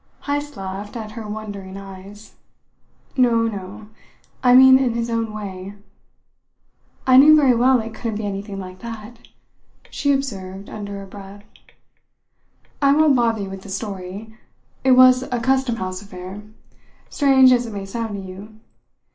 Heyst laughed at her wondering eyes. "No! No! I mean in his own way." "I knew very well it couldn't be anything like that," she observed under her breath. "I won't bother you with the story. It was a custom house affair, strange as it may sound to you.